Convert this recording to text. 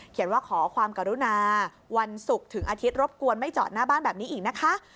ว่าขอความกรุณาวันศุกร์ถึงอาทิตย์รบกวนไม่จอดหน้าบ้านแบบนี้อีกนะคะ